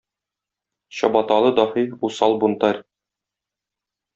"Чабаталы даһи" - усал "бунтарь"